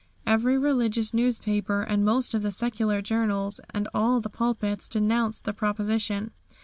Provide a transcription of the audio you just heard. Every religious newspaper and most of the secular journals, and all the pulpits, denounced the proposition.